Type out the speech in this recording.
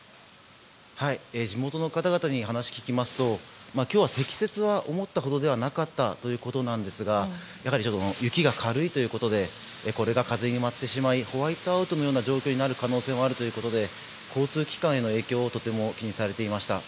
地元の方々に話を聞きますと今日は積雪は思ったほどではなかったということなんですが雪が軽いということでこれが風に舞ってしまいホワイトアウトのような状況になる可能性もあるということで交通機関への影響をとても気にされていました。